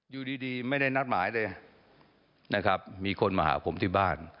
อยู่ดีไม่ได้นัดหมายเลยนะครับมีคนมาหาผมที่บ้าน